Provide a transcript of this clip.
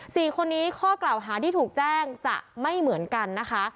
สี่คนนี้ข้อกล่าวหาที่ถูกแจ้งจะไม่เหมือนกันนะคะ